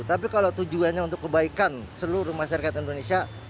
tapi kalau tujuannya untuk kebaikan seluruh masyarakat indonesia